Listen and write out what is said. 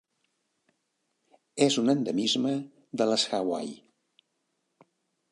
És un endemisme de les Hawaii.